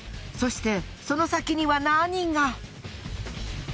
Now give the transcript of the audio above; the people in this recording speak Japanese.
そしてその先には何が！？